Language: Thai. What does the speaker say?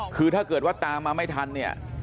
คือถ้าเกิดว่าตามมาไม่ทัน